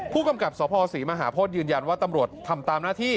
ผู้กำกับสภศรีมหาโพธิยืนยันว่าตำรวจทำตามหน้าที่